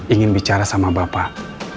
ingin bicara sama bapak